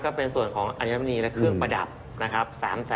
ก็เป็นส่วนของอัญมณีและเครื่องประดับนะครับ